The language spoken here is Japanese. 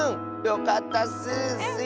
よかったッス。